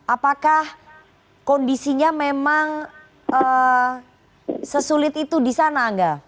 apakah kondisinya memang sesulit itu di sana angga